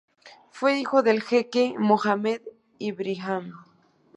Fue hijo del jeque Mohammed Ibrahim.